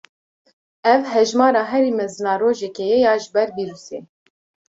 Ev hejmara herî mezin a rojekê ye ya ji ber vîrusê.